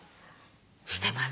してます。